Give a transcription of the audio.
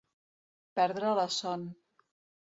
Perdre la son.